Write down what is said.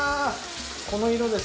この色です